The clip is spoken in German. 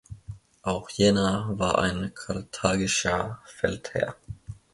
Auch jener war ein karthagischer Feldherr.